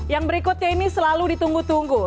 yang berikutnya ini selalu ditunggu tunggu